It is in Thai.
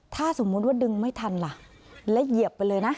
ถ้าสมมุติว่าดึงไม่ทันล่ะแล้วเหยียบไปเลยนะ